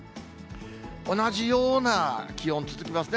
同じような気温続きますね。